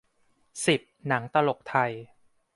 สิบ หนังตลกไทย